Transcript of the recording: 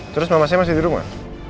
terus mama saya masih di rumah